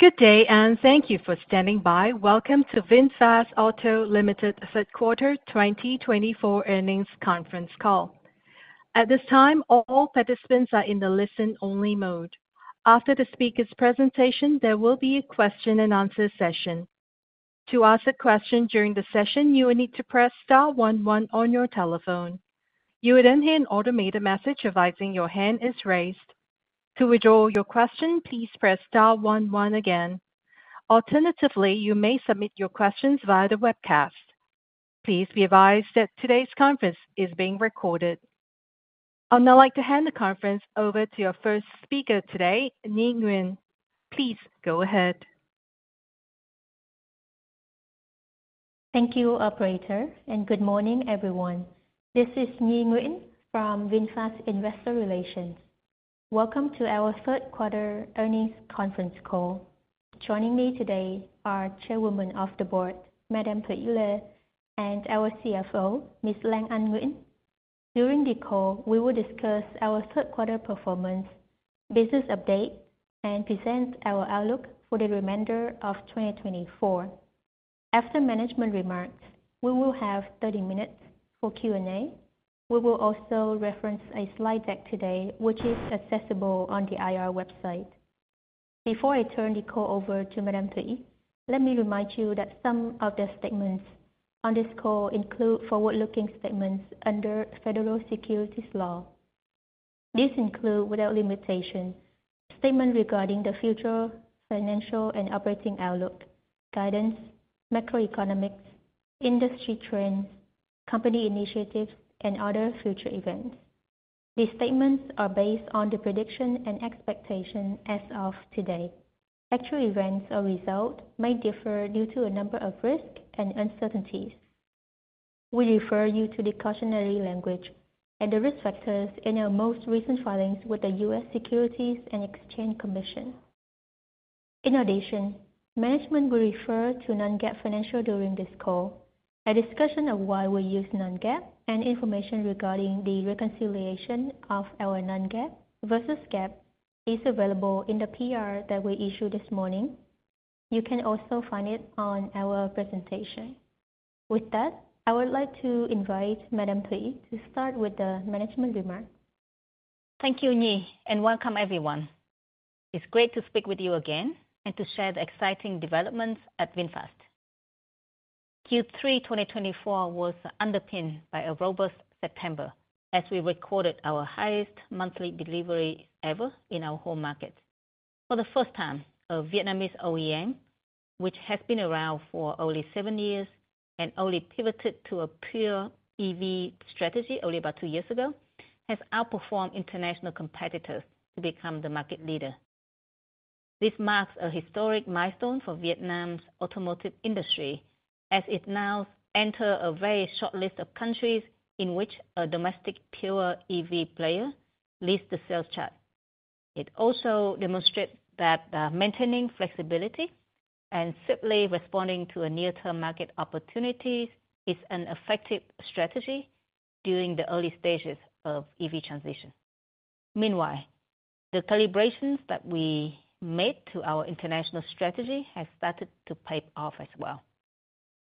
Good day, and thank you for standing by. Welcome to VinFast Auto's third quarter 2024 earnings conference call. At this time, all participants are in the listen-only mode. After the speaker's presentation, there will be a question-and-answer session. To ask a question during the session, you will need to press star 11 on your telephone. You will then hear an automated message advising your hand is raised. To withdraw your question, please press star one one again. Alternatively, you may submit your questions via the webcast. Please be advised that today's conference is being recorded. I'd now like to hand the conference over to our first speaker today, Nguyen Thu Thuy. Please go ahead. Thank you, Operator, and good morning, everyone. This is Nguyễn Thu Thủy from VinFast Investor Relations. Welcome to our third quarter earnings conference call. Joining me today are Chairwoman of the Board, Madam Lê Thị Thu Thủy, and our CFO, Ms. Nguyễn Thị Lan Anh. During the call, we will discuss our third quarter performance, business update, and present our outlook for the remainder of 2024. After management remarks, we will have 30 minutes for Q&A. We will also reference a slide deck today, which is accessible on the IR website. Before I turn the call over to Madam Lê Thị Thu Thủy, let me remind you that some of the statements on this call include forward-looking statements under federal securities law. These include without limitation statements regarding the future financial and operating outlook, guidance, macroeconomics, industry trends, company initiatives, and other future events. These statements are based on the prediction and expectation as of today. Actual events or results may differ due to a number of risks and uncertainties. We refer you to the cautionary language and the risk factors in our most recent filings with the U.S. Securities and Exchange Commission. In addition, management will refer to Non-GAAP financial during this call. A discussion of why we use Non-GAAP and information regarding the reconciliation of our Non-GAAP versus GAAP is available in the PR that we issued this morning. You can also find it on our presentation. With that, I would like to invite Madam Thuy to start with the management remark. Thank you, Nguyen, and welcome everyone. It's great to speak with you again and to share the exciting developments at VinFast. Q3 2024 was underpinned by a robust September as we recorded our highest monthly delivery ever in our home market. For the first time, a Vietnamese OEM, which has been around for only seven years and only pivoted to a pure EV strategy only about two years ago, has outperformed international competitors to become the market leader. This marks a historic milestone for Vietnam's automotive industry as it now enters a very short list of countries in which a domestic pure EV player leads the sales chart. It also demonstrates that maintaining flexibility and swiftly responding to near-term market opportunities is an effective strategy during the early stages of EV transition. Meanwhile, the calibrations that we made to our international strategy have started to pay off as well.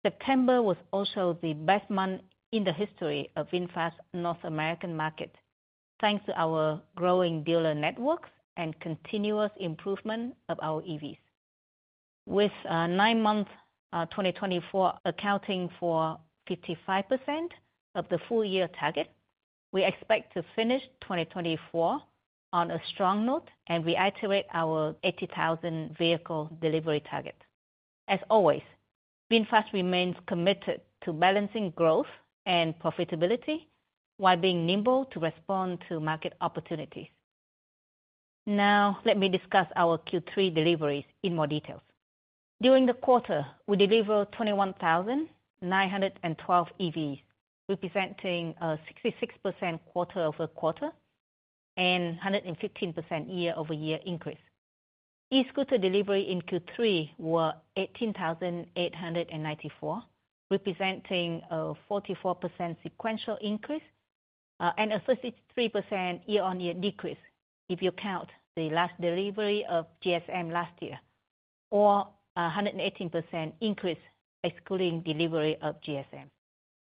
September was also the best month in the history of VinFast's North American market, thanks to our growing dealer networks and continuous improvement of our EVs. With nine months of 2024 accounting for 55% of the full-year target, we expect to finish 2024 on a strong note and reiterate our 80,000 vehicle delivery target. As always, VinFast remains committed to balancing growth and profitability while being nimble to respond to market opportunities. Now, let me discuss our Q3 deliveries in more detail. During the quarter, we delivered 21,912 EVs, representing a 66% quarter-over-quarter and 115% year-over-year increase. E-scooter delivery in Q3 was 18,894, representing a 44% sequential increase and a 33% year-on-year decrease if you count the last delivery of GSM last year, or a 118% increase excluding delivery of GSM.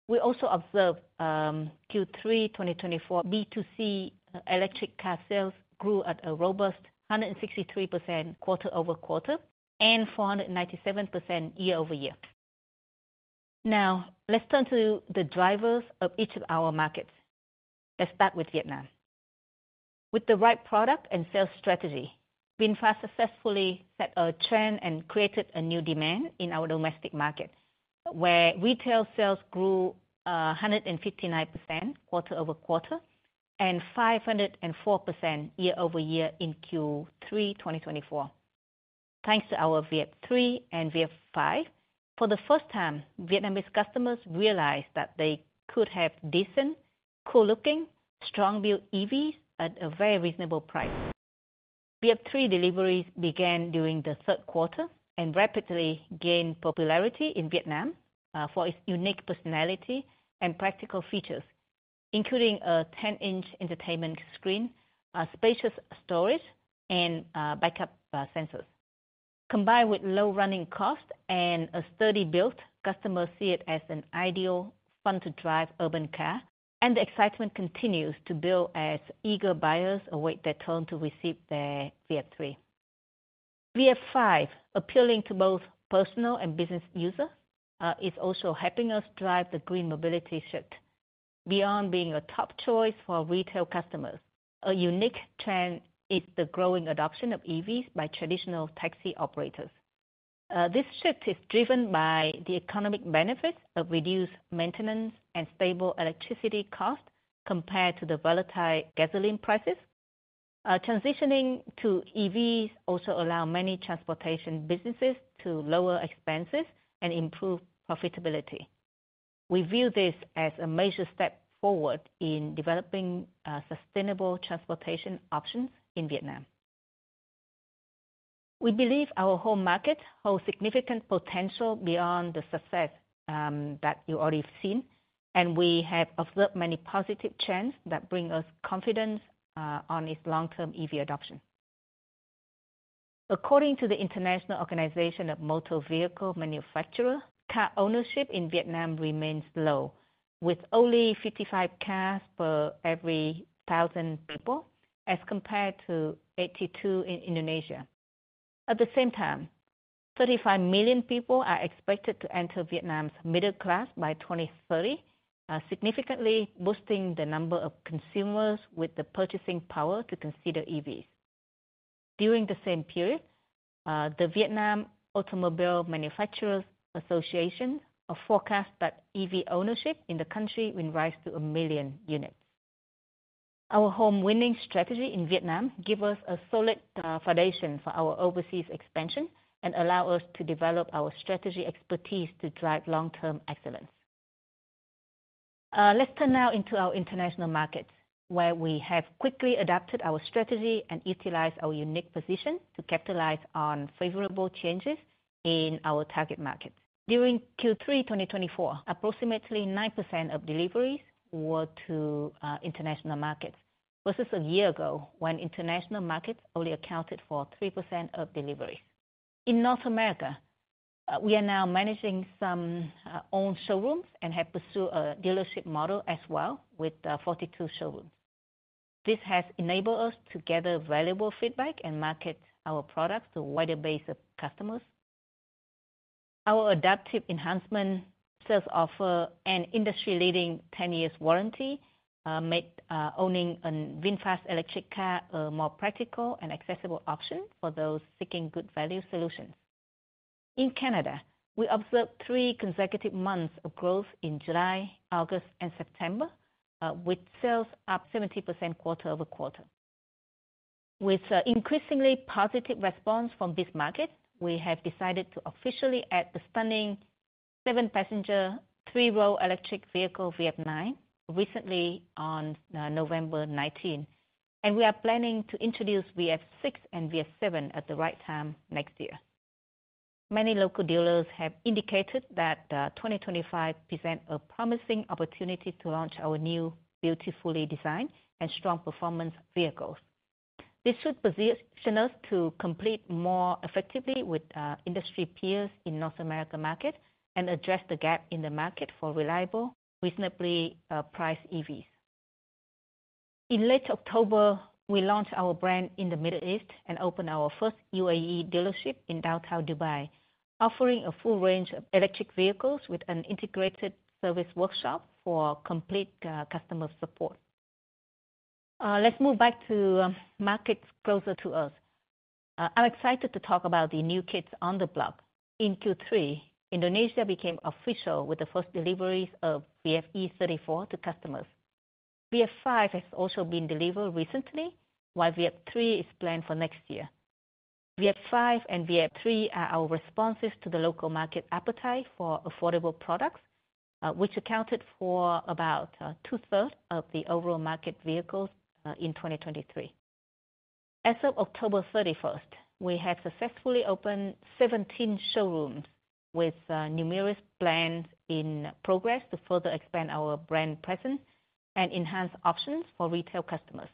We also observed Q3 2024 B2C electric car sales grew at a robust 163% quarter-over-quarter and 497% year-over-year. Now, let's turn to the drivers of each of our markets. Let's start with Vietnam. With the right product and sales strategy, VinFast successfully set a trend and created a new demand in our domestic market, where retail sales grew 159% quarter-over-quarter and 504% year-over-year in Q3 2024. Thanks to our VF 3 and VF 5, for the first time, Vietnamese customers realized that they could have decent, cool-looking, strong-built EVs at a very reasonable price. VF 3 deliveries began during the third quarter and rapidly gained popularity in Vietnam for its unique personality and practical features, including a 10-inch entertainment screen, spacious storage, and backup sensors. Combined with low running costs and a sturdy build, customers see it as an ideal, fun-to-drive urban car, and the excitement continues to build as eager buyers await their turn to receive their VF 3. 5, appealing to both personal and business users, is also helping us drive the green mobility shift. Beyond being a top choice for retail customers, a unique trend is the growing adoption of EVs by traditional taxi operators. This shift is driven by the economic benefits of reduced maintenance and stable electricity costs compared to the volatile gasoline prices. Transitioning to EVs also allows many transportation businesses to lower expenses and improve profitability. We view this as a major step forward in developing sustainable transportation options in Vietnam. We believe our home market holds significant potential beyond the success that you already have seen, and we have observed many positive trends that bring us confidence on its long-term EV adoption. According to the International Organization of Motor Vehicle Manufacturers, car ownership in Vietnam remains low, with only 55 cars per every 1,000 people as compared to 82 in Indonesia. At the same time, 35 million people are expected to enter Vietnam's middle class by 2030, significantly boosting the number of consumers with the purchasing power to consider EVs. During the same period, the Vietnam Automobile Manufacturers Association forecasts that EV ownership in the country will rise to 1 million units. Our home-winning strategy in Vietnam gives us a solid foundation for our overseas expansion and allows us to develop our strategy expertise to drive long-term excellence. Let's turn now into our international markets, where we have quickly adapted our strategy and utilized our unique position to capitalize on favorable changes in our target markets. During Q3 2024, approximately 9% of deliveries were to international markets versus a year ago when international markets only accounted for 3% of deliveries. In North America, we are now managing some own showrooms and have pursued a dealership model as well with 42 showrooms. This has enabled us to gather valuable feedback and market our products to a wider base of customers. Our adaptive enhancement sales offer an industry-leading 10-year warranty made owning a VinFast electric car a more practical and accessible option for those seeking good-value solutions. In Canada, we observed three consecutive months of growth in July, August, and September, with sales up 70% quarter-over-quarter. With increasingly positive responses from these markets, we have decided to officially add the stunning seven-passenger three-row electric vehicle VF9 recently on November 19, and we are planning to introduce VF 6 and VF7 at the right time next year. Many local dealers have indicated that 2025 presents a promising opportunity to launch our new, beautifully designed and strong-performance vehicles. This should position us to compete more effectively with industry peers in the North American market and address the gap in the market for reliable, reasonably priced EVs. In late October, we launched our brand in the Middle East and opened our first UAE dealership in downtown Dubai, offering a full range of electric vehicles with an integrated service workshop for complete customer support. Let's move back to markets closer to us. I'm excited to talk about the new kids on the block. In Q3, Indonesia became official with the first deliveries of VF e34 to customers. VF 5 has also been delivered recently, while VF 3 is planned for next year. VF 5 and VF 3 are our responses to the local market appetite for affordable products, which accounted for about two-thirds of the overall market vehicles in 2023. As of October 31, we have successfully opened 17 showrooms with numerous plans in progress to further expand our brand presence and enhance options for retail customers.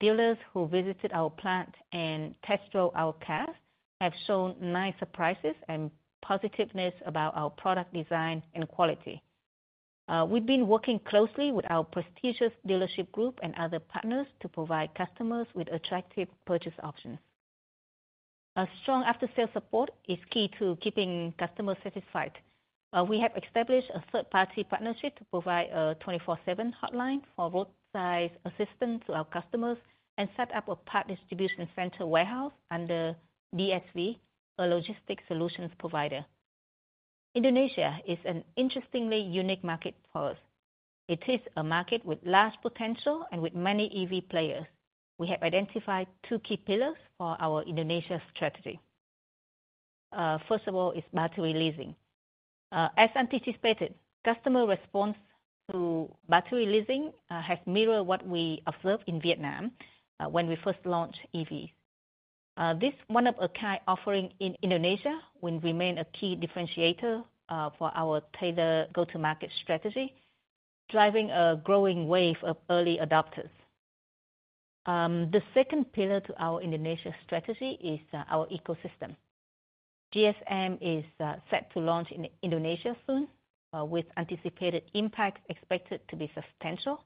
Dealers who visited our plant and test drove our cars have shown nice surprises and positiveness about our product design and quality. We've been working closely with our prestigious dealership group and other partners to provide customers with attractive purchase options. Strong after-sales support is key to keeping customers satisfied. We have established a third-party partnership to provide a 24/7 hotline for roadside assistance to our customers and set up a part distribution center warehouse under DSV, a logistics solutions provider. Indonesia is an interestingly unique market for us. It is a market with large potential and with many EV players. We have identified two key pillars for our Indonesia strategy. First of all is battery leasing. As anticipated, customer response to battery leasing has mirrored what we observed in Vietnam when we first launched EVs. This one-of-a-kind offering in Indonesia will remain a key differentiator for our tailored go-to-market strategy, driving a growing wave of early adopters. The second pillar to our Indonesia strategy is our ecosystem. GSM is set to launch in Indonesia soon, with anticipated impacts expected to be substantial,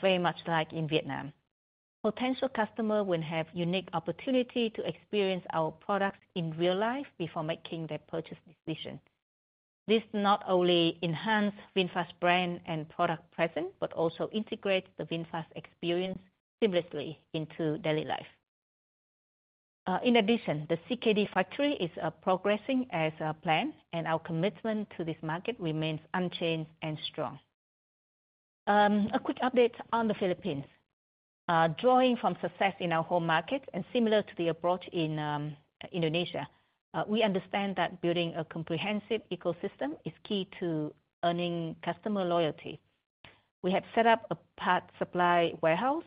very much like in Vietnam. Potential customers will have unique opportunities to experience our products in real life before making their purchase decision. This not only enhances VinFast's brand and product presence but also integrates the VinFast experience seamlessly into daily life. In addition, the CKD factory is progressing as planned, and our commitment to this market remains unchanged and strong. A quick update on the Philippines. Drawing from success in our home market and similar to the approach in Indonesia, we understand that building a comprehensive ecosystem is key to earning customer loyalty. We have set up a part supply warehouse,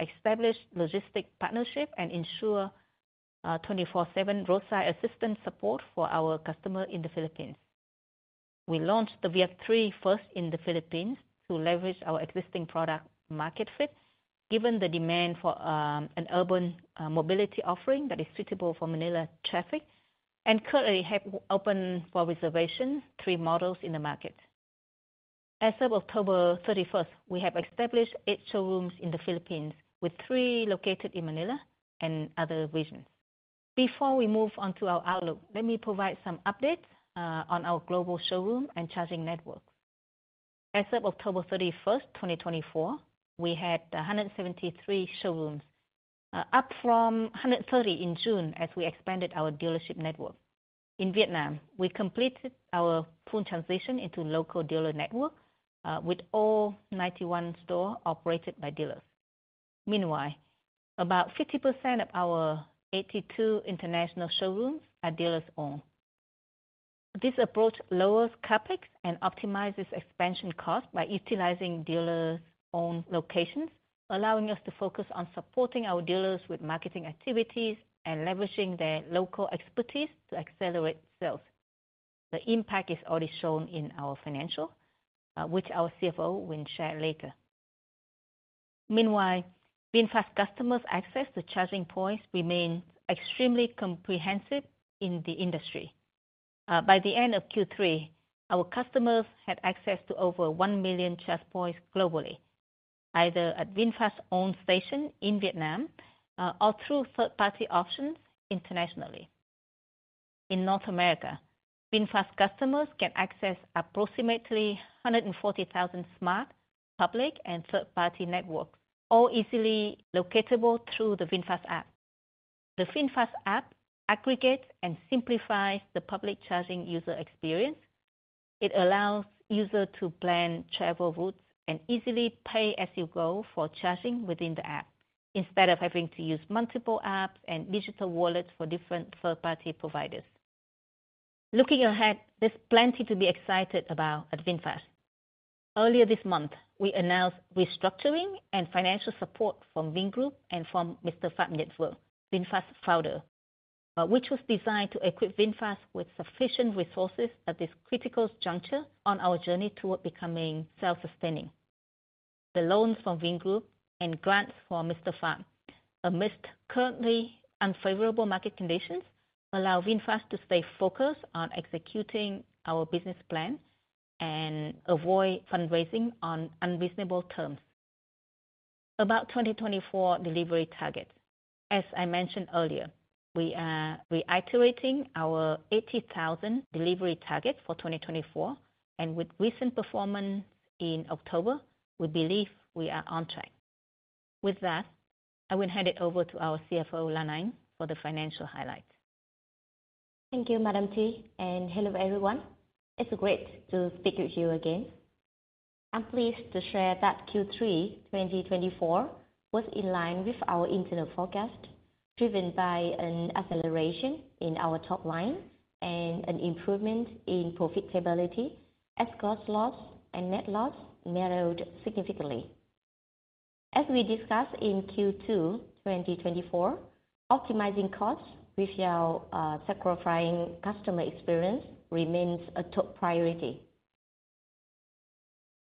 established logistics partnership, and ensured 24/7 roadside assistance support for our customers in the Philippines. We launched the VF 3 first in the Philippines to leverage our existing product market fit, given the demand for an urban mobility offering that is suitable for Manila traffic, and currently have open for reservation three models in the market. As of October 31, we have established eight showrooms in the Philippines, with three located in Manila and other regions. Before we move on to our outlook, let me provide some updates on our global showroom and charging networks. As of October 31, 2024, we had 173 showrooms, up from 130 in June as we expanded our dealership network. In Vietnam, we completed our full transition into a local dealer network with all 91 stores operated by dealers. Meanwhile, about 50% of our 82 international showrooms are dealers-owned. This approach lowers CAPEX and optimizes expansion costs by utilizing dealers-owned locations, allowing us to focus on supporting our dealers with marketing activities and leveraging their local expertise to accelerate sales. The impact is already shown in our financials, which our CFO will share later. Meanwhile, VinFast customers' access to charging points remains extremely comprehensive in the industry. By the end of Q3, our customers had access to over 1 million charge points globally, either at VinFast's own station in Vietnam or through third-party options internationally. In North America, VinFast customers can access approximately 140,000 smart, public, and third-party networks, all easily locatable through the VinFast app. The VinFast app aggregates and simplifies the public charging user experience. It allows users to plan travel routes and easily pay as you go for charging within the app, instead of having to use multiple apps and digital wallets for different third-party providers. Looking ahead, there's plenty to be excited about at VinFast. Earlier this month, we announced restructuring and financial support from Vingroup and from Pham Nhat Vuong's work, VinFast Founder, which was designed to equip VinFast with sufficient resources at this critical juncture on our journey toward becoming self-sustaining. The loans from Vingroup and grants from Pham Nhat Vuong, amidst currently unfavorable market conditions, allow VinFast to stay focused on executing our business plan and avoid fundraising on unreasonable terms. About 2024 delivery targets. As I mentioned earlier, we are reiterating our 80,000 delivery target for 2024, and with recent performance in October, we believe we are on track. With that, I will hand it over to our CFO, Lan Anh, for the financial highlights. Thank you, Madam Thuy, and hello everyone. It's great to speak with you again. I'm pleased to share that Q3 2024 was in line with our internal forecast, driven by an acceleration in our top line and an improvement in profitability as gross loss and net loss narrowed significantly. As we discussed in Q2 2024, optimizing costs without sacrificing customer experience remains a top priority.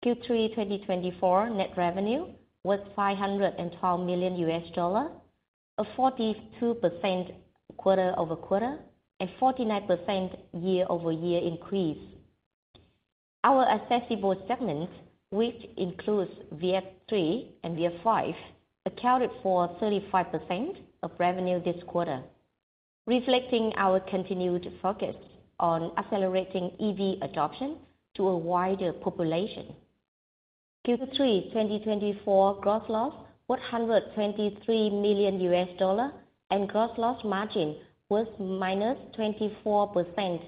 Q3 2024 net revenue was $512 million, a 42% quarter-over-quarter and 49% year-over-year increase. Our accessible segment, which includes VF3 and VF5, accounted for 35% of revenue this quarter, reflecting our continued focus on accelerating EV adoption to a wider population. Q3 2024 gross loss was $123 million, and gross loss margin was minus 24%,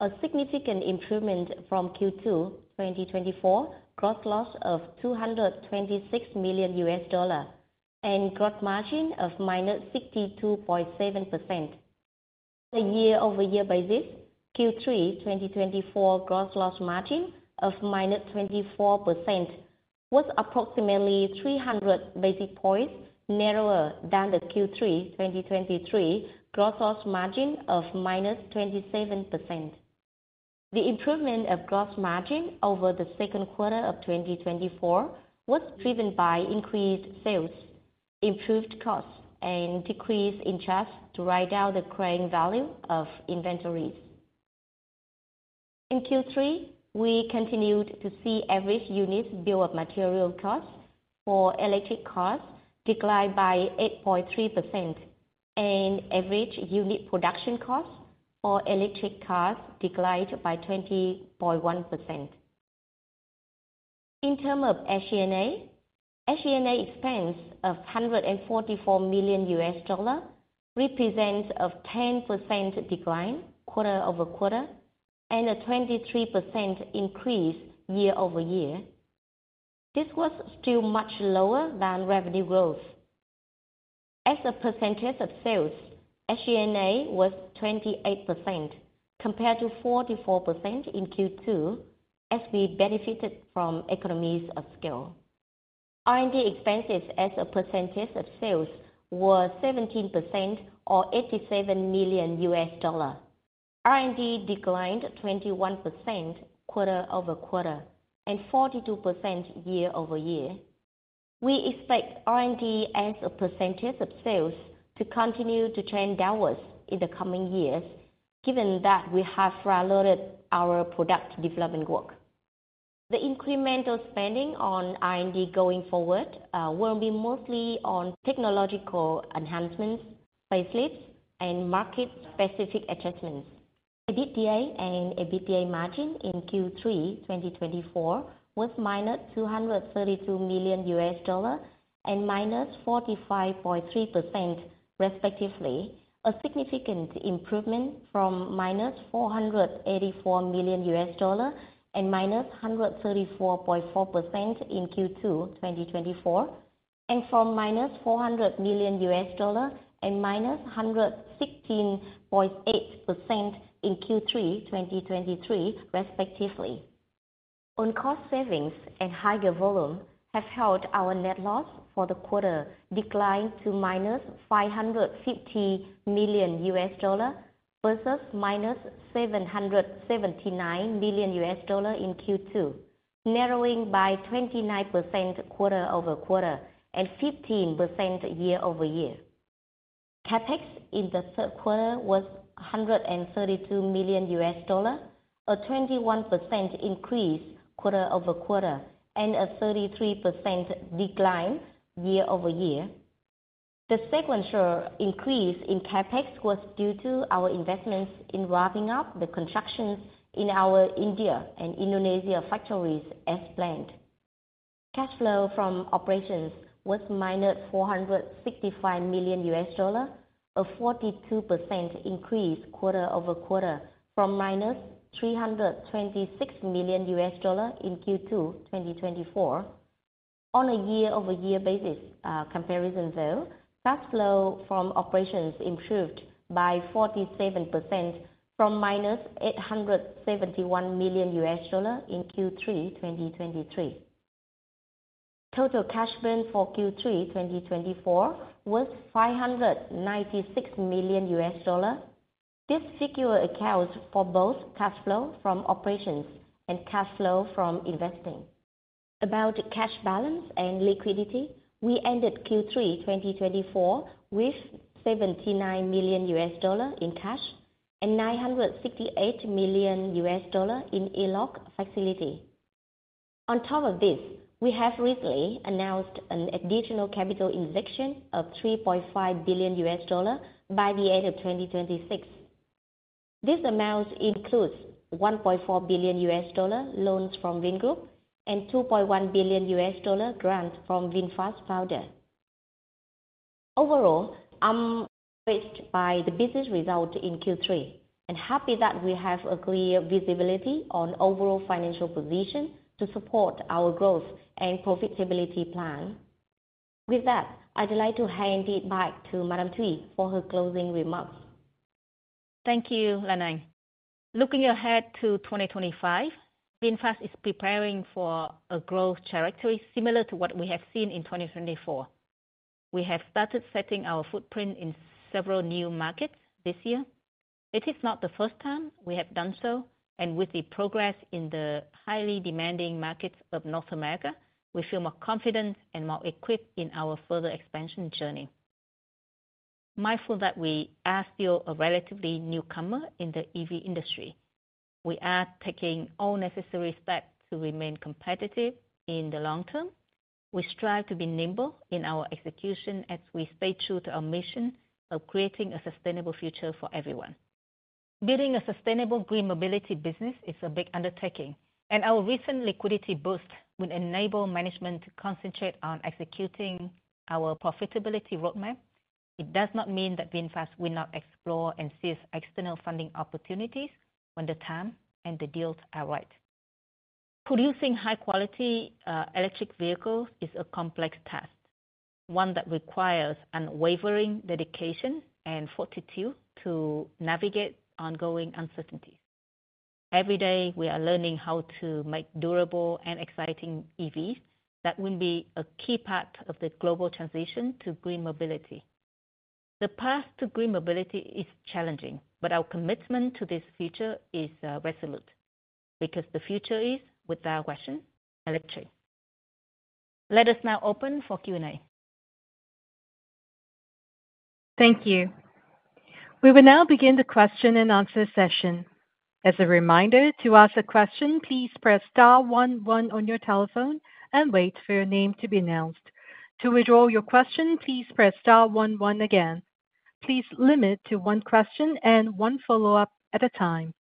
a significant improvement from Q2 2024 gross loss of $226 million and gross margin of minus 62.7%. On a year-over-year basis, Q3 2024 gross loss margin of minus 24% was approximately 300 basis points narrower than the Q3 2023 gross loss margin of minus 27%. The improvement of gross margin over the second quarter of 2024 was driven by increased sales, improved costs, and decrease in charges to write down the carrying value of inventories. In Q3, we continued to see average unit bill of materials costs for electric cars decline by 8.3%, and average unit production costs for electric cars declined by 20.1%. In terms of SG&A, SG&A expense of $144 million represents a 10% decline quarter-over-quarter and a 23% increase year-over-year. This was still much lower than revenue growth. As a percentage of sales, SG&A was 28%, compared to 44% in Q2 as we benefited from economies of scale. R&D expenses as a percentage of sales were 17% or $87 million. R&D declined 21% quarter-over-quarter and 42% year-over-year. We expect R&D as a percentage of sales to continue to trend downwards in the coming years, given that we have furthered our product development work. The incremental spending on R&D going forward will be mostly on technological enhancements, facelifts, and market-specific adjustments. EBITDA and EBITDA margin in Q3 2024 was minus $232 million and minus 45.3%, respectively, a significant improvement from minus $484 million and minus 134.4% in Q2 2024, and from minus $400 million and minus 116.8% in Q3 2023, respectively. On-cost savings and higher volume have helped our net loss for the quarter decline to minus $550 million versus minus $779 million in Q2, narrowing by 29% quarter-over-quarter and 15% year-over-year. CAPEX in the third quarter was $132 million, a 21% increase quarter-over-quarter and a 33% decline year-over-year. The sequential increase in CAPEX was due to our investments in wrapping up the construction in our India and Indonesia factories as planned. Cash flow from operations was minus $465 million, a 42% increase quarter-over-quarter from minus $326 million in Q2 2024. On a year-over-year basis comparison, though, cash flow from operations improved by 47% from minus $871 million in Q3 2023. Total cash burn for Q3 2024 was $596 million. This figure accounts for both cash flow from operations and cash flow from investing. About cash balance and liquidity, we ended Q3 2024 with $79 million in cash and $968 million in ELOC facility. On top of this, we have recently announced an additional capital injection of $3.5 billion by the end of 2026. This amount includes $1.4 billion loans from Vingroup and $2.1 billion grants from VinFast Founder. Overall, I'm impressed by the business result in Q3 and happy that we have a clear visibility on overall financial position to support our growth and profitability plan. With that, I'd like to hand it back to Madam Thuy for her closing remarks. Thank you, Lan Anh. Looking ahead to 2025, VinFast is preparing for a growth trajectory similar to what we have seen in 2024. We have started setting our footprint in several new markets this year. It is not the first time we have done so, and with the progress in the highly demanding markets of North America, we feel more confident and more equipped in our further expansion journey. Mindful that we are still a relatively newcomer in the EV industry, we are taking all necessary steps to remain competitive in the long term. We strive to be nimble in our execution as we stay true to our mission of creating a sustainable future for everyone. Building a sustainable green mobility business is a big undertaking, and our recent liquidity boost will enable management to concentrate on executing our profitability roadmap. It does not mean that VinFast will not explore and seize external funding opportunities when the time and the deals are right. Producing high-quality electric vehicles is a complex task, one that requires unwavering dedication and fortitude to navigate ongoing uncertainties. Every day, we are learning how to make durable and exciting EVs that will be a key part of the global transition to green mobility. The path to green mobility is challenging, but our commitment to this future is resolute because the future is, without question, electric. Let us now open for Q&A. Thank you. We will now begin the question and answer session. As a reminder, to ask a question, please press star 11 on your telephone and wait for your name to be announced. To withdraw your question, please press star 11 again. Please limit to one question and one follow-up at a time.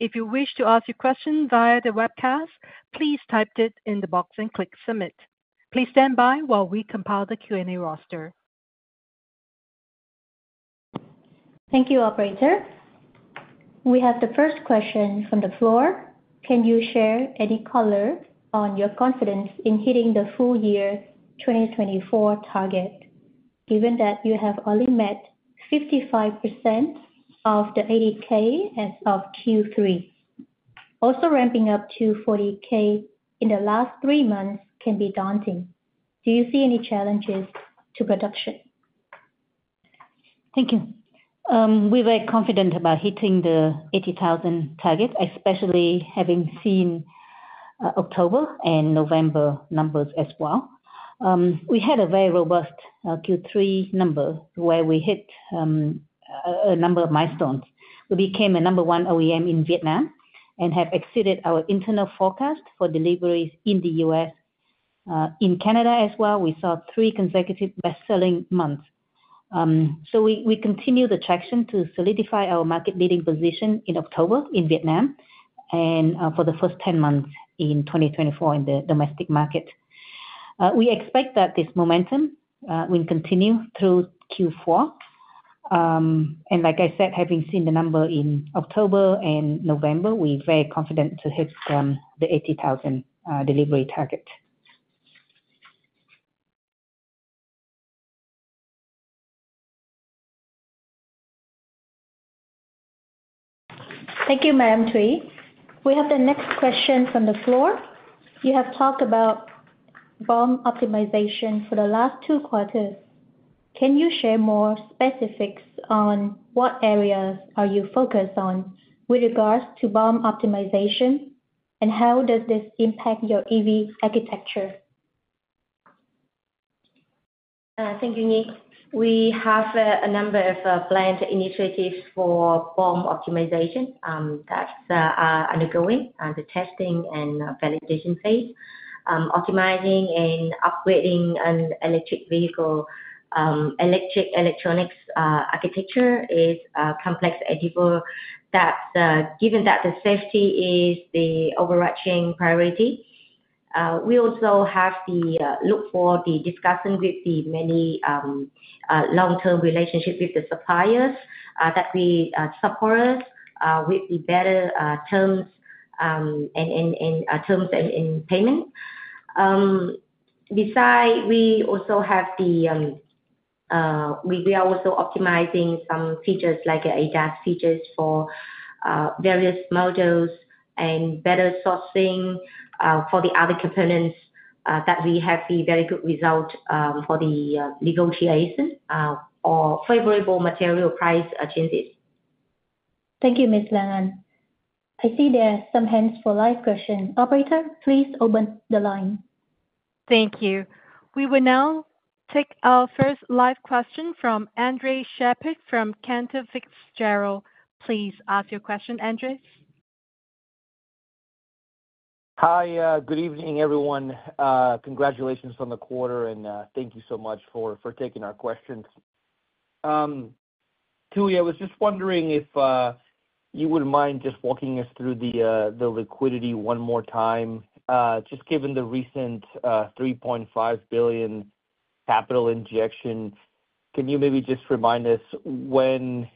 If you wish to ask your question via the webcast, please type it in the box and click submit. Please stand by while we compile the Q&A roster. Thank you, Operator. We have the first question from the floor. Can you share any color on your confidence in hitting the full year 2024 target, given that you have only met 55% of the 80K as of Q3? Also ramping up to 40K in the last three months can be daunting. Do you see any challenges to production? Thank you. We're very confident about hitting the 80,000 target, especially having seen October and November numbers as well. We had a very robust Q3 number where we hit a number of milestones. We became a number one OEM in Vietnam and have exceeded our internal forecast for deliveries in the US. In Canada as well, we saw three consecutive best-selling months. So we continue the traction to solidify our market-leading position in October in Vietnam and for the first 10 months in 2024 in the domestic market. We expect that this momentum will continue through Q4. And like I said, having seen the number in October and November, we're very confident to hit the 80,000 delivery target. Thank you, Madam Thuy. We have the next question from the floor. You have talked about BOM optimization for the last two quarters. Can you share more specifics on what areas you focus on with regards to BOM optimization, and how does this impact your EV architecture? Thank you, Nick. We have a number of planned initiatives for BOM optimization that are undergoing the testing and validation phase. Optimizing and upgrading an electric vehicle electric electronics architecture is a complex endeavor that, given that the safety is the overarching priority, we also have to look for the discussion with the many long-term relationships with the suppliers that will support us with the better terms and payment. Besides, we are also optimizing some features like ADAS features for various models and better sourcing for the other components that we have a very good result for the negotiation or favorable material price changes. Thank you, Ms. Lan Anh. I see there are some hands for live questions. Operator, please open the line. Thank you. We will now take our first live question from Andres Sheppard from Cantor Fitzgerald. Please ask your question, Andres. Hi, good evening, everyone. Congratulations on the quarter, and thank you so much for taking our questions. Thuy, I was just wondering if you wouldn't mind just walking us through the liquidity one more time. Just given the recent $3.5 billion capital injection, can you maybe just remind us when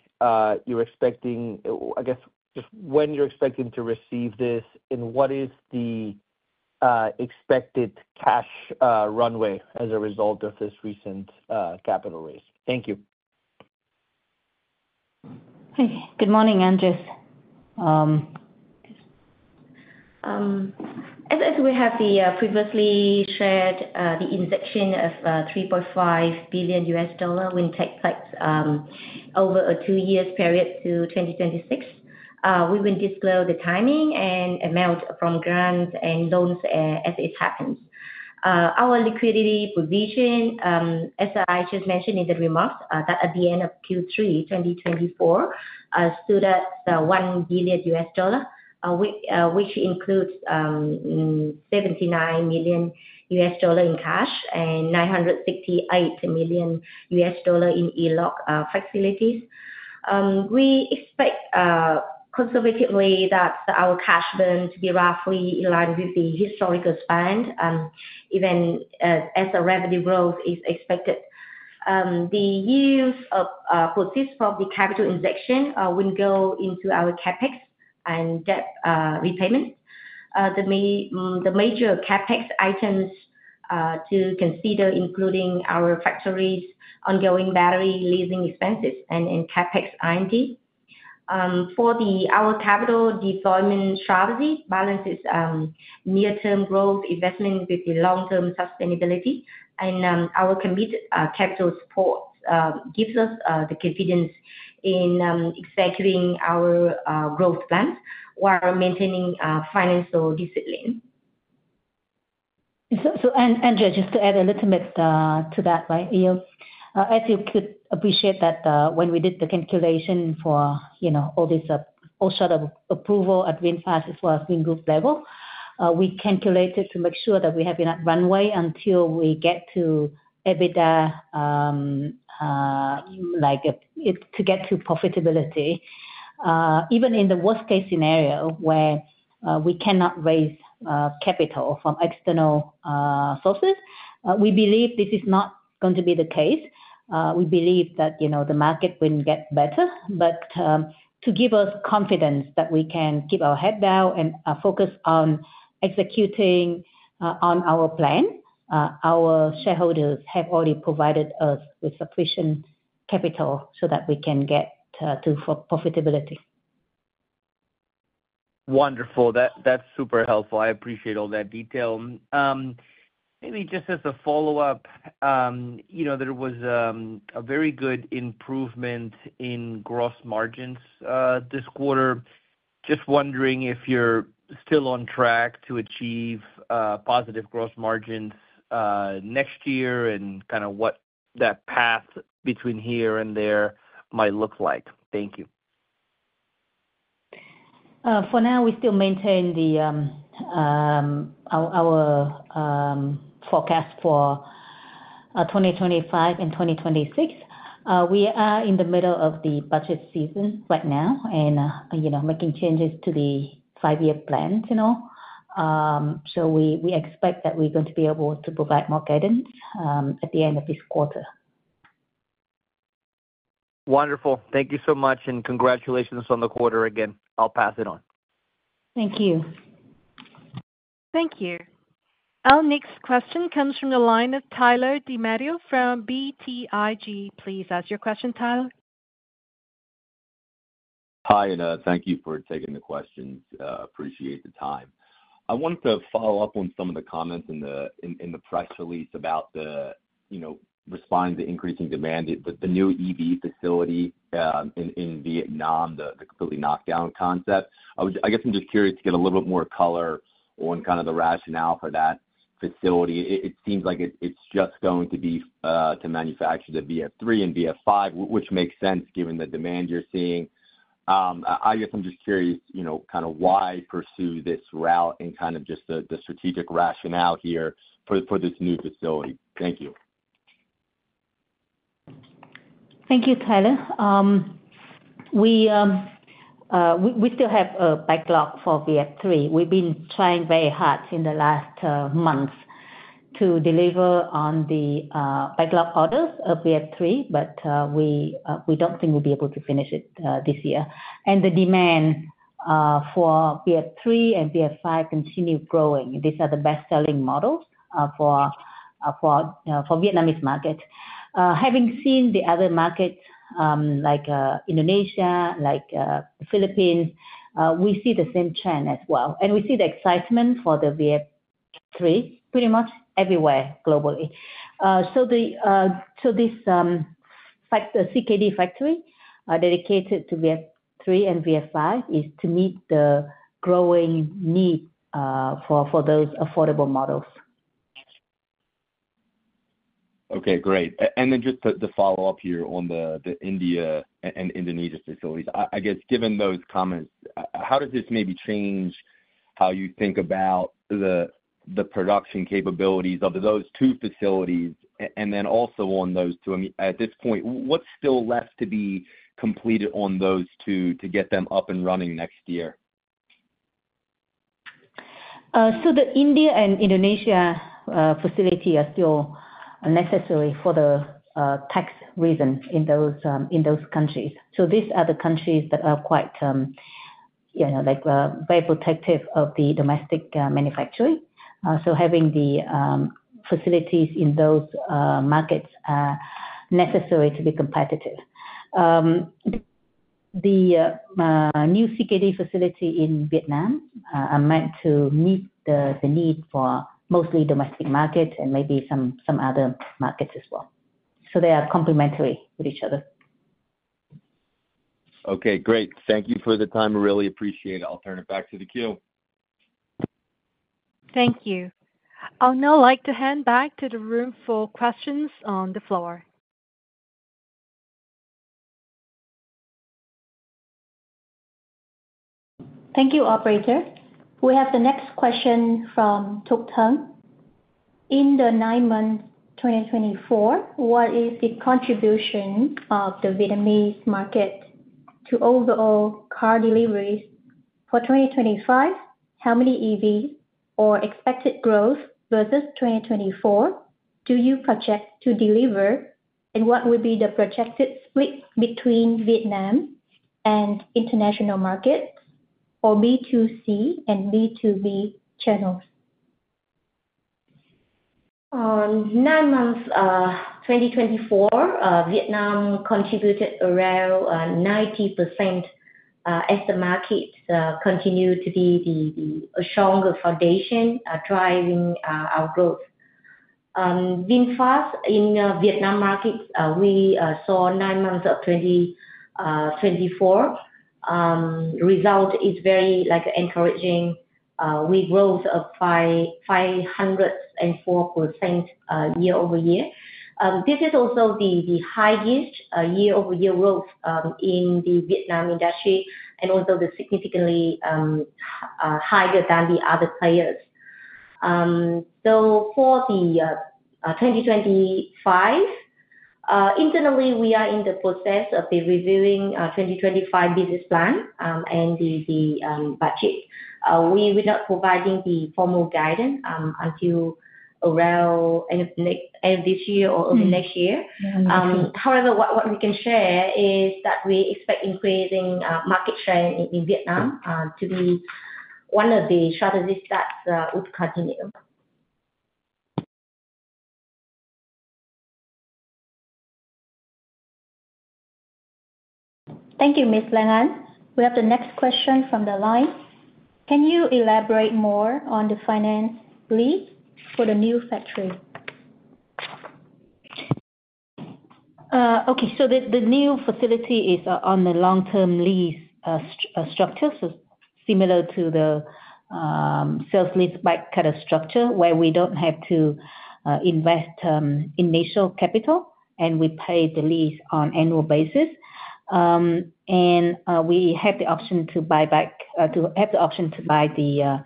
you're expecting, I guess, just when you're expecting to receive this, and what is the expected cash runway as a result of this recent capital raise? Thank you. Good morning, Andres. As we have previously shared, the injection of $3.5 billion will take place over a two-year period to 2026. We will disclose the timing and amount from grants and loans as it happens. Our liquidity provision, as I just mentioned in the remarks, that at the end of Q3 2024, stood at $1 billion, which includes $79 million in cash and $968 million in ELOC facilities. We expect conservatively that our cash burn to be roughly aligned with the historical spend, even as revenue growth is expected. The use of proceeds from the capital injection will go into our CAPEX and debt repayment. The major CAPEX items to consider include our factories' ongoing battery leasing expenses and CAPEX R&D. For our capital deployment strategy, balance is near-term growth investment with the long-term sustainability, and our commitment to capital support gives us the confidence in executing our growth plans while maintaining financial discipline. Andres, just to add a little bit to that, right, Ilian, as you could appreciate that when we did the calculation for all this offshore approval at VinFast as well as Vingroup level, we calculated to make sure that we have enough runway until we get to EBITDA to get to profitability. Even in the worst-case scenario where we cannot raise capital from external sources, we believe this is not going to be the case. We believe that the market will get better, but to give us confidence that we can keep our head down and focus on executing on our plan, our shareholders have already provided us with sufficient capital so that we can get to profitability. Wonderful. That's super helpful. I appreciate all that detail. Maybe just as a follow-up, there was a very good improvement in gross margins this quarter. Just wondering if you're still on track to achieve positive gross margins next year and kind of what that path between here and there might look like. Thank you. For now, we still maintain our forecast for 2025 and 2026. We are in the middle of the budget season right now and making changes to the five-year plan. So we expect that we're going to be able to provide more guidance at the end of this quarter. Wonderful. Thank you so much, and congratulations on the quarter again. I'll pass it on. Thank you. Thank you. Our next question comes from the line of Tyler DiMatteo from BTIG. Please ask your question, Tyler. Hi, Lan Anh. Thank you for taking the questions. Appreciate the time. I wanted to follow up on some of the comments in the press release about responding to increasing demand, the new EV facility in Vietnam, the completely knocked-down concept. I guess I'm just curious to get a little bit more color on kind of the rationale for that facility. It seems like it's just going to be to manufacture the VF3 and VF5, which makes sense given the demand you're seeing. I guess I'm just curious kind of why pursue this route and kind of just the strategic rationale here for this new facility. Thank you. Thank you, Tyler. We still have a backlog for VF3. We've been trying very hard in the last months to deliver on the backlog orders of VF3, but we don't think we'll be able to finish it this year. And the demand for VF3 and VF5 continues growing. These are the best-selling models for the Vietnamese market. Having seen the other markets like Indonesia, like the Philippines, we see the same trend as well. And we see the excitement for the VF3 pretty much everywhere globally. So this CKD factory dedicated to VF3 and VF5 is to meet the growing need for those affordable models. Okay, great. And then just the follow-up here on the India and Indonesia facilities. I guess given those comments, how does this maybe change how you think about the production capabilities of those two facilities? And then also on those two, at this point, what's still left to be completed on those two to get them up and running next year? So the India and Indonesia facility are still necessary for the tax reason in those countries. So these are the countries that are quite very protective of the domestic manufacturing. So having the facilities in those markets is necessary to be competitive. The new CKD facility in Vietnam are meant to meet the need for mostly domestic markets and maybe some other markets as well. So they are complementary with each other. Okay, great. Thank you for the time. I really appreciate it. I'll turn it back to the queue. Thank you. I'll now like to hand back to the room for questions on the floor. Thank you, Operator. We have the next question from Thuc Thuan. In the nine months of 2024, what is the contribution of the Vietnamese market to overall car deliveries for 2025? How many EVs or expected growth versus 2024 do you project to deliver, and what would be the projected split between Vietnam and international markets or B2C and B2B channels? In the nine months of 2024, Vietnam contributed around 90% as the market continued to be the stronger foundation driving our growth. VinFast in Vietnam markets, we saw nine months of 2024, result is very encouraging. We growth of 504% year over year. This is also the highest year-over-year growth in the Vietnam industry and also significantly higher than the other players, so for 2025, internally, we are in the process of reviewing the 2025 business plan and the budget. We will not provide any formal guidance until around end of this year or early next year. However, what we can share is that we expect increasing market share in Vietnam to be one of the strategies that would continue. Thank you, Ms. Lan Anh. We have the next question from the line. Can you elaborate more on the finance lease for the new factory? Okay. So the new facility is on the long-term lease structure, so similar to the sale-leaseback kind of structure where we don't have to invest initial capital, and we pay the lease on annual basis. And we have the option to buy back, to have the option to buy the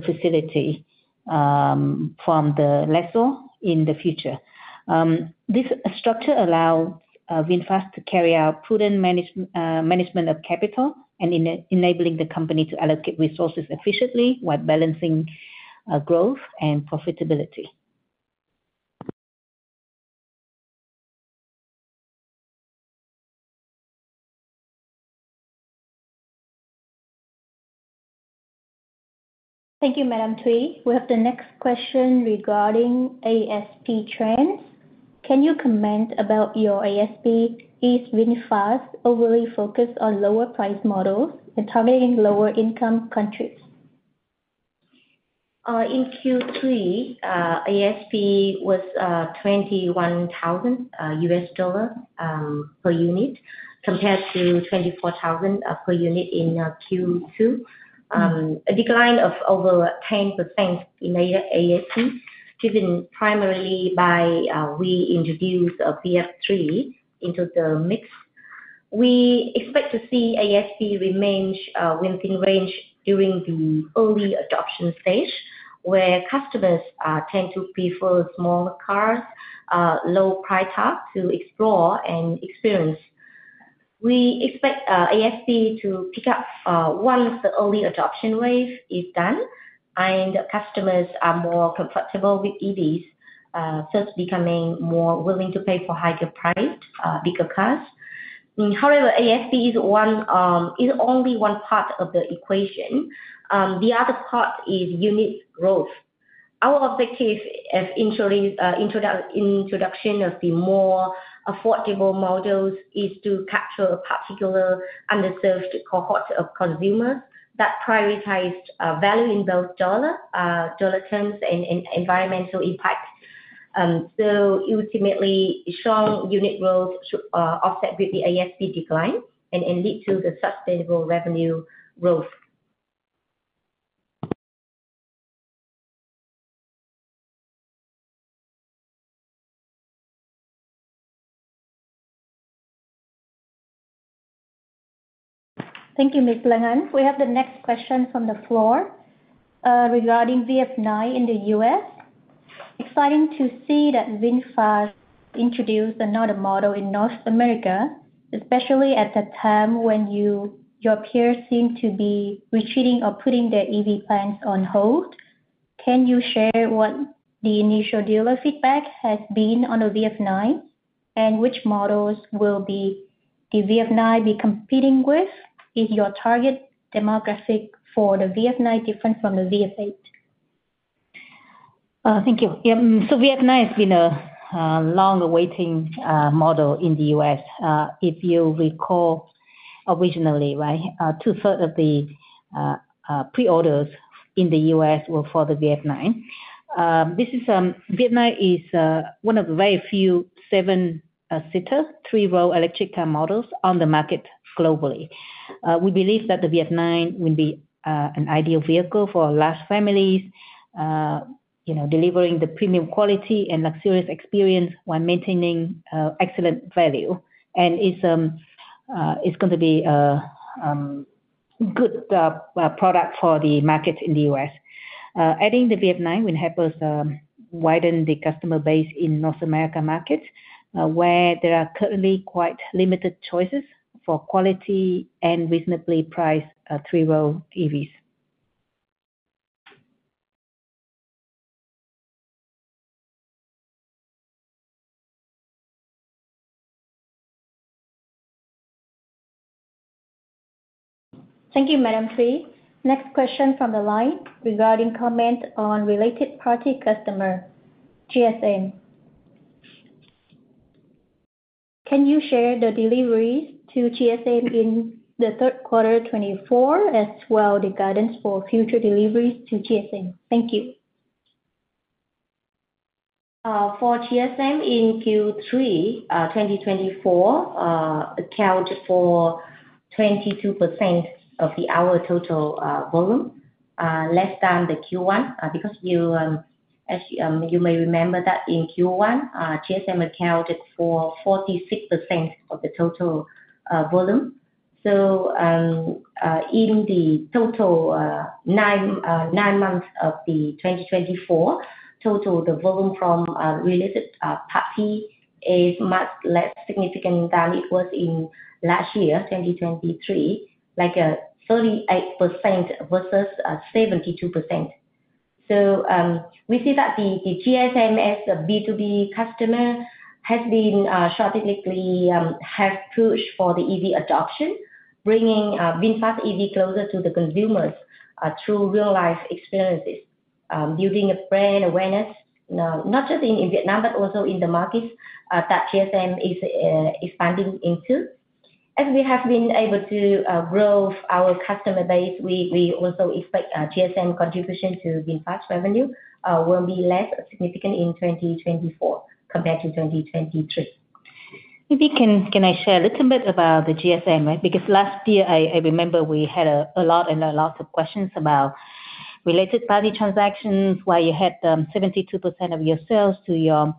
facility from the lessor in the future. This structure allows VinFast to carry out prudent management of capital and enabling the company to allocate resources efficiently while balancing growth and profitability. Thank you, Madam Thuy. We have the next question regarding ASP trends. Can you comment about your ASP? Is VinFast overly focused on lower-priced models and targeting lower-income countries? In Q3, ASP was $21,000 per unit compared to $24,000 per unit in Q2. A decline of over 10% in ASP driven primarily by we introduced VF3 into the mix. We expect to see ASP remain within range during the early adoption stage where customers tend to prefer small cars, low price tag to explore and experience. We expect ASP to pick up once the early adoption wave is done and customers are more comfortable with EVs, thus becoming more willing to pay for higher-priced bigger cars. However, ASP is only one part of the equation. The other part is unit growth. Our objective of introduction of the more affordable models is to capture a particular underserved cohort of consumers that prioritize value in both dollar terms and environmental impact. Ultimately, strong unit growth should offset with the ASP decline and lead to sustainable revenue growth. Thank you, Ms. Lan Anh. We have the next question from the floor regarding VF 9 in the U.S. Exciting to see that VinFast introduced another model in North America, especially at a time when your peers seem to be retreating or putting their EV plans on hold. Can you share what the initial dealer feedback has been on the VF 9 and which models will the VF 9 be competing with? Is your target demographic for the VF 9 different from the VF 8? Thank you. VF 9 has been a long-awaited model in the U.S. If you recall originally, right, two-thirds of the pre-orders in the U.S. were for the VF 9. This in Vietnam is one of the very few seven-seater, three-row electric car models on the market globally. We believe that the VF 9 will be an ideal vehicle for large families, delivering the premium quality and luxurious experience while maintaining excellent value, and it's going to be a good product for the market in the US. Adding the VF 9 will help us widen the customer base in North America markets where there are currently quite limited choices for quality and reasonably priced three-row EVs. Thank you, Madam Thuy. Next question from the line regarding comment on related party customer, GSM. Can you share the deliveries to GSM in the third quarter 2024 as well as the guidance for future deliveries to GSM? Thank you. For GSM in Q3 2024, accounted for 22% of our total volume, less than the Q1. Because you may remember that in Q1, GSM accounted for 46% of the total volume. In the total nine months of 2024, total, the volume from related party is much less significant than it was in last year, 2023, like 38% versus 72%. We see that the GSM as a B2B customer has been strategically help push for the EV adoption, bringing VinFast EV closer to the consumers through real-life experiences, building a brand awareness, not just in Vietnam, but also in the markets that GSM is expanding into. As we have been able to grow our customer base, we also expect GSM contribution to VinFast revenue will be less significant in 2024 compared to 2023. Maybe can I share a little bit about the GSM, right? Because last year, I remember we had a lot and a lot of questions about related party transactions, why you had 72% of your sales to your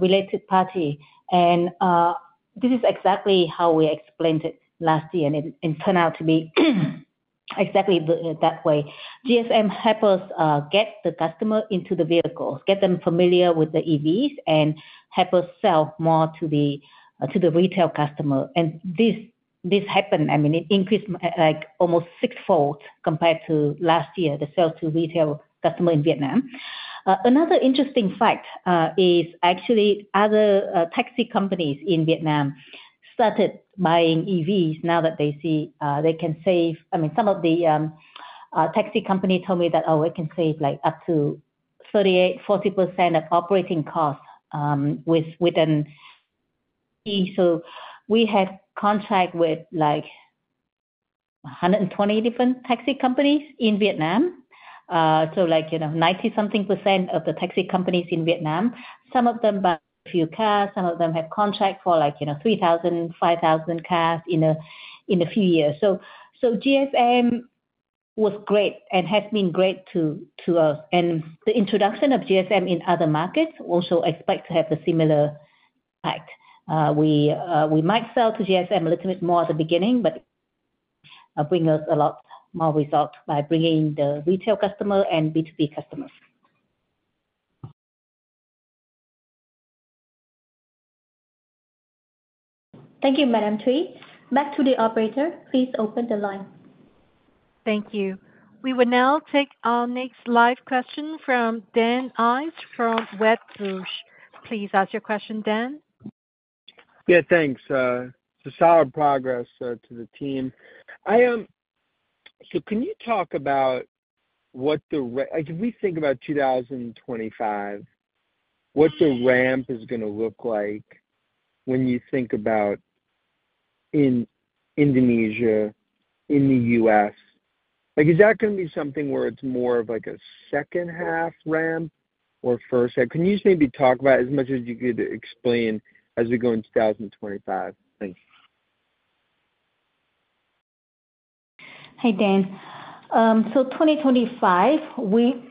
related party. And this is exactly how we explained it last year and turned out to be exactly that way. GSM help us get the customer into the vehicles, get them familiar with the EVs, and help us sell more to the retail customer. And this happened, I mean, it increased like almost sixfold compared to last year, the sales to retail customer in Vietnam. Another interesting fact is actually other taxi companies in Vietnam started buying EVs now that they see they can save. I mean, some of the taxi companies told me that, "Oh, we can save like up to 38%-40% of operating costs with an EV." So we have contract with like 120 different taxi companies in Vietnam. So like 90-something% of the taxi companies in Vietnam, some of them buy a few cars, some of them have contract for like 3,000, 5,000 cars in a few years. So GSM was great and has been great to us. And the introduction of GSM in other markets also expect to have a similar impact. We might sell to GSM a little bit more at the beginning, but bring us a lot more result by bringing the retail customer and B2B customers. Thank you, Madam Thuy. Back to the operator. Please open the line. Thank you. We will now take our next live question from Dan Ives from Wedbush. Please ask your question, Dan. Yeah, thanks. So solid progress to the team. So, can you talk about what, if we think about 2025, what the ramp is going to look like when you think about in Indonesia, in the U.S.? Is that going to be something where it's more of like a second-half ramp or first-half? Can you just maybe talk about as much as you could explain as we go into 2025? Thanks. Hey, Dan. So, 2025, we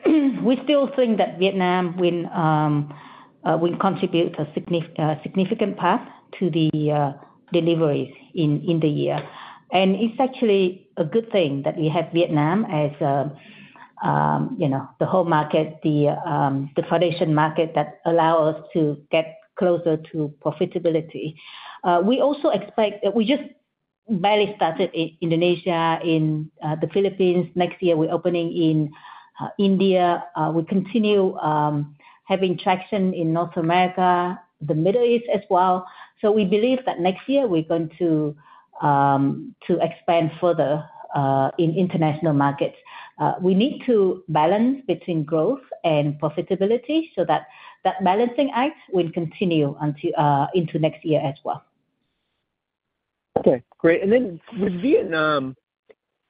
still think that Vietnam will contribute a significant part to the deliveries in the year. And it's actually a good thing that we have Vietnam as the whole market, the foundation market that allow us to get closer to profitability. We also expect that we just barely started in Indonesia, in the Philippines. Next year, we're opening in India. We continue having traction in North America, the Middle East as well. So we believe that next year we're going to expand further in international markets. We need to balance between growth and profitability so that that balancing act will continue into next year as well. Okay. Great. And then with Vietnam,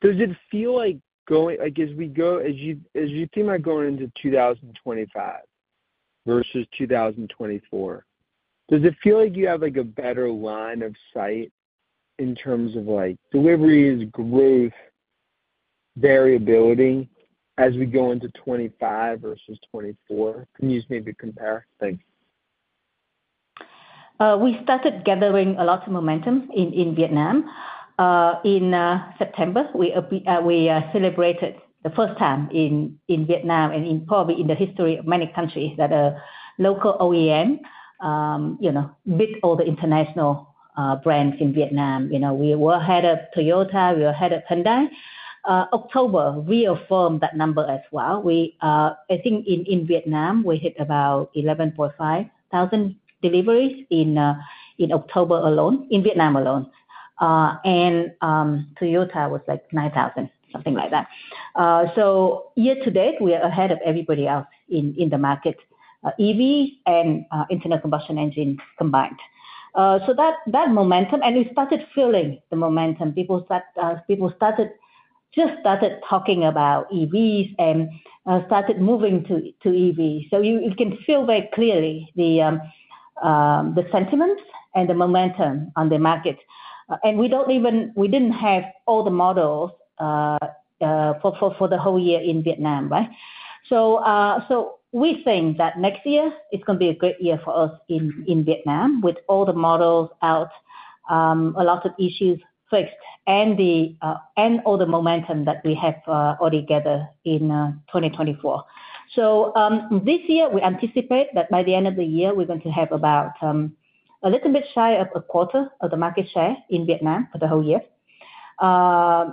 does it feel like as we think about going into 2025 versus 2024, does it feel like you have a better line of sight in terms of deliveries, growth, variability as we go into 2025 versus 2024? Can you just maybe compare? Thanks. We started gathering a lot of momentum in Vietnam. In September, we celebrated the first time in Vietnam and probably in the history of many countries that a local OEM beat all the international brands in Vietnam. We were ahead of Toyota. We were ahead of Hyundai. October reaffirmed that number as well. I think in Vietnam, we hit about 11,500 deliveries in October alone, in Vietnam alone. And Toyota was like 9,000, something like that. So year to date, we are ahead of everybody else in the market, EV and internal combustion engine combined. So that momentum, and we started feeling the momentum. People just started talking about EVs and started moving to EVs. So you can feel very clearly the sentiments and the momentum on the market. And we didn't have all the models for the whole year in Vietnam, right? So we think that next year is going to be a great year for us in Vietnam with all the models out, a lot of issues fixed, and all the momentum that we have altogether in 2024. So this year, we anticipate that by the end of the year, we're going to have about a little bit shy of a quarter of the market share in Vietnam for the whole year.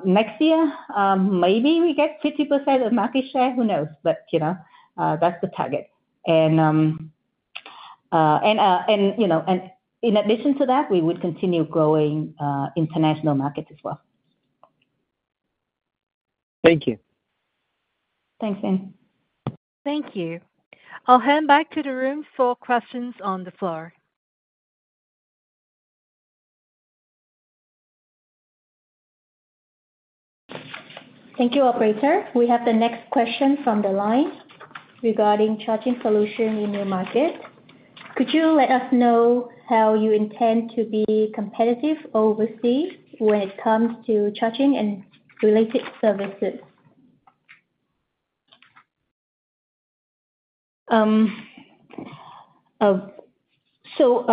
Next year, maybe we get 50% of market share. Who knows? But that's the target. And in addition to that, we would continue growing international markets as well. Thank you. Thanks, Anh. Thank you. I'll hand back to the room for questions on the floor. Thank you, operator. We have the next question from the line regarding charging solution in your market. Could you let us know how you intend to be competitive overseas when it comes to charging and related services? So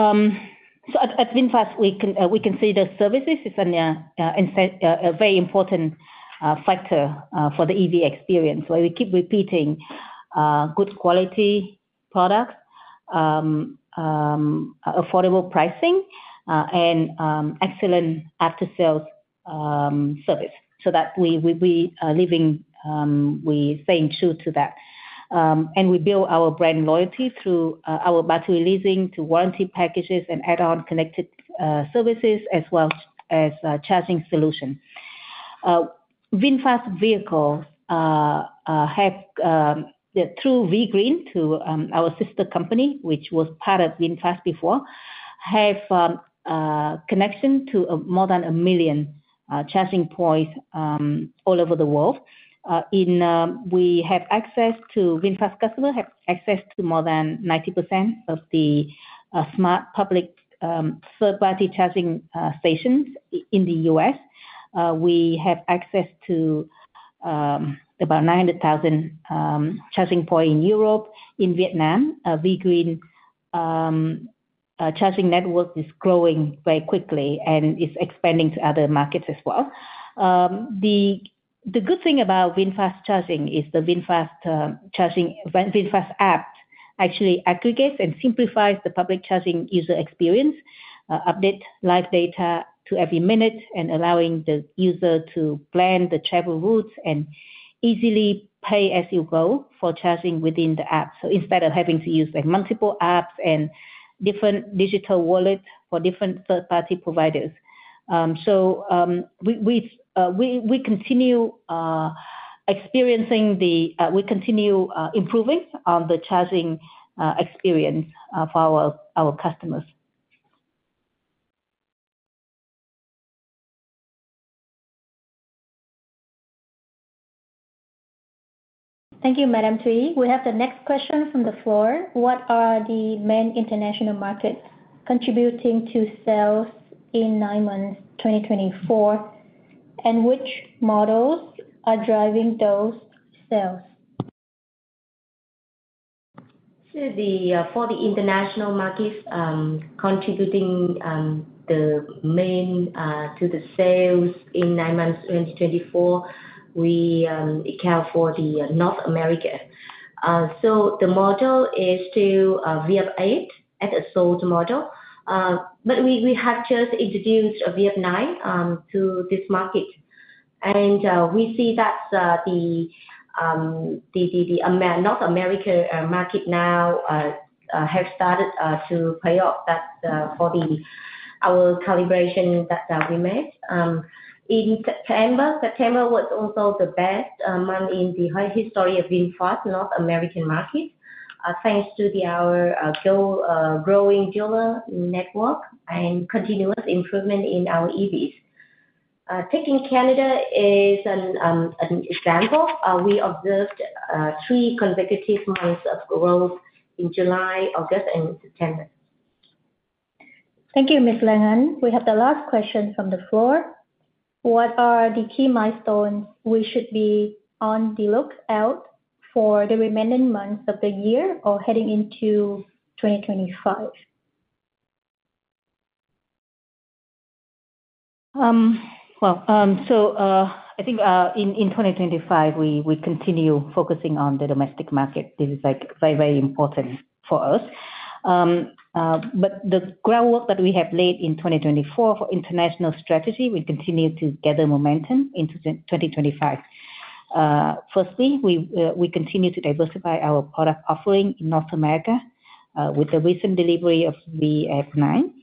at VinFast, we consider services is a very important factor for the EV experience. We keep repeating good quality products, affordable pricing, and excellent after-sales service so that we're living, we're staying true to that. And we build our brand loyalty through our battery leasing to warranty packages and add-on connected services as well as charging solution. VinFast vehicles have, through V-GREEN, our sister company, which was part of VinFast before, connection to more than a million charging points all over the world. VinFast customers have access to more than 90% of the smart public third-party charging stations in the U.S. We have access to about 900,000 charging points in Europe. In Vietnam, V-GREEN charging network is growing very quickly and is expanding to other markets as well. The good thing about VinFast charging is the VinFast app actually aggregates and simplifies the public charging user experience, updates live data to every minute, and allowing the user to plan the travel routes and easily pay as you go for charging within the app. So instead of having to use multiple apps and different digital wallets for different third-party providers. So we continue improving on the charging experience for our customers. Thank you, Madam Thuy. We have the next question from the floor. What are the main international markets contributing to sales in nine months 2024, and which models are driving those sales? For the international markets, contributing the main to the sales in nine months 2024, we account for the North America. So the model is still VF 8 as a sold model. But we have just introduced a VF 9 to this market. We see that the North America market now has started to pay off that for our calibration that we made. In September, September was also the best month in the history of VinFast North American market, thanks to our growing dealer network and continuous improvement in our EVs. Taking Canada as an example, we observed three consecutive months of growth in July, August, and September. Thank you, Ms. Lan Anh. We have the last question from the floor. What are the key milestones we should be on the lookout for the remaining months of the year or heading into 2025? I think in 2025, we continue focusing on the domestic market. This is very, very important for us. The groundwork that we have laid in 2024 for international strategy, we continue to gather momentum into 2025. Firstly, we continue to diversify our product offering in North America with the recent delivery of VF 9.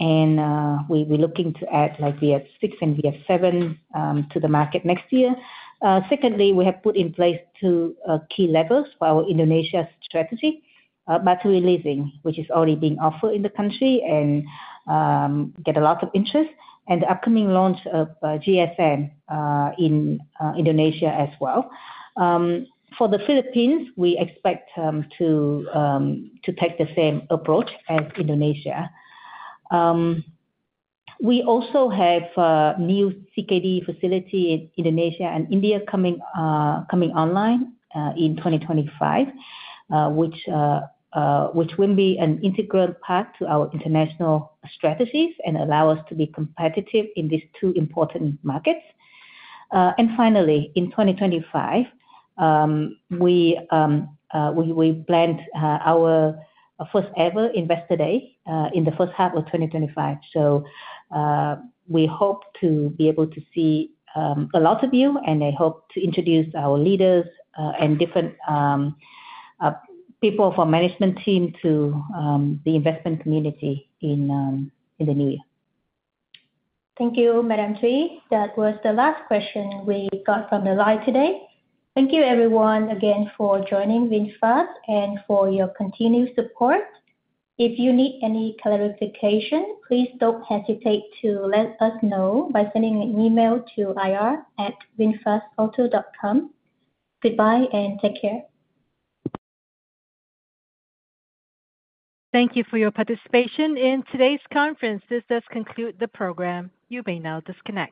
And we're looking to add VF 6 and VF 7 to the market next year. Secondly, we have put in place two key levers for our Indonesia strategy, battery leasing, which is already being offered in the country and get a lot of interest. And the upcoming launch of GSM in Indonesia as well. For the Philippines, we expect to take the same approach as Indonesia. We also have new CKD facility in Indonesia and India coming online in 2025, which will be an integral part to our international strategies and allow us to be competitive in these two important markets. And finally, in 2025, we planned our first-ever investor day in the first half of 2025. So we hope to be able to see a lot of you, and I hope to introduce our leaders and different people from management team to the investment community in the new year. Thank you, Madam Thuy. That was the last question we got from the live today. Thank you, everyone, again for joining VinFast and for your continued support. If you need any clarification, please don't hesitate to let us know by sending an email to ir@vinfastauto.com. Goodbye and take care. Thank you for your participation in today's conference. This does conclude the program. You may now disconnect.